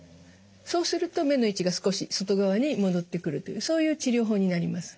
そうすると目の位置が少し外側に戻ってくるというそういう治療法になります。